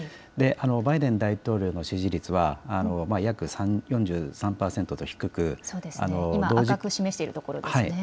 バイデン大統領の支持率は約４３％と低く今、赤く示しているところですね。